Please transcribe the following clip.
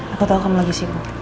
aku tahu kamu lagi sibuk